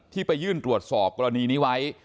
ไปยื่นตรวจสอบกรณีนี้ไว้